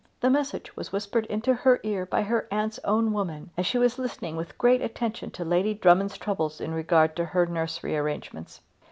The message was whispered into her ear by her aunt's own woman as she was listening with great attention to Lady Drummond's troubles in regard to her nursery arrangements.